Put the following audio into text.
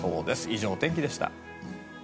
以上、お天気でした。